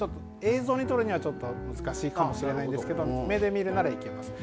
映像に撮るにはちょっと難しいかもしれないんですけど目で見るなら、いけますね。